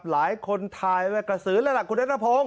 หลายคนทายเลวะกระสือแล้วล่ะคุณเด็กนาภง